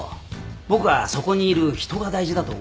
僕はそこにいる「人」が大事だと思ってる